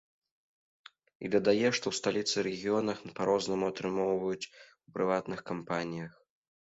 І дадае, што ў сталіцы і рэгіёнах па рознаму атрымоўваюць у прыватных кампаніях.